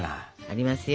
ありますよ！